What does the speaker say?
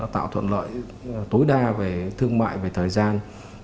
tạo thuận lợi tối đa về thương mại về thời gian